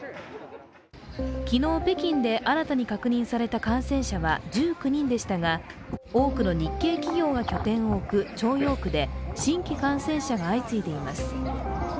昨日、北京で新たに確認された感染者は１９人でしたが、多くの日系企業が拠点を置く朝陽区で新規感染者が相次いでいます。